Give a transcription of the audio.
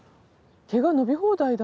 毛が伸び放題だ。